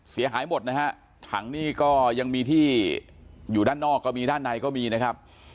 เสียหายหมดนะฮะถังนี้ก็ยังมีที่อยู่ด้านนอกก็มีด้านในก็มีนะครับ